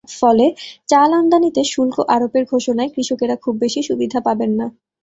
ফলে চাল আমদানিতে শুল্ক আরোপের ঘোষণায় কৃষকেরা খুব বেশি সুবিধা পাবেন না।